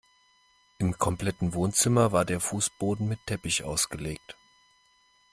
Im kompletten Wohnzimmer war der Fußboden mit Teppich ausgelegt.